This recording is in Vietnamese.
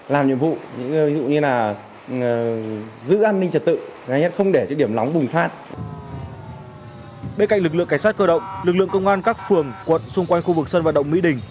bên cạnh lực lượng cảnh sát cơ động lực lượng công an các phường quận xung quanh khu vực sân vận động mỹ đình